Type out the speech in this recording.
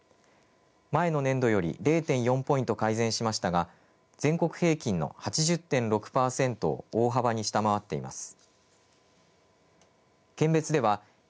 前の年度より０．４ポイント改善しましたが全国平均の８０．６％を大幅に下回っています。